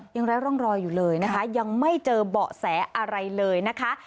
ไร้ร่องรอยอยู่เลยนะคะยังไม่เจอเบาะแสอะไรเลยนะคะ